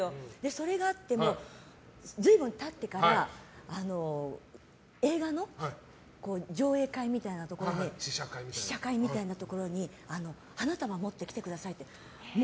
それがあって随分経ってから映画の上映会・試写会みたいなところで花束を持ってきてくださいって。